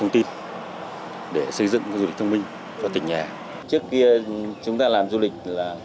trước kia chúng ta làm du lịch